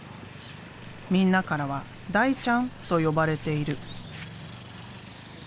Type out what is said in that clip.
みんなからは「大ちゃん」と呼ばれている。